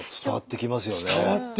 伝わってきますよ。